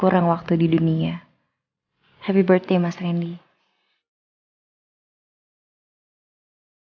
yang sejatinya bertambah angka di hari ulang tahun